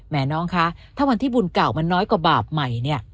น้องคะถ้าวันที่บุญเก่ามันน้อยกว่าบาปใหม่เนี่ย